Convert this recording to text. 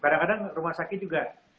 kadang kadang rumah sakit juga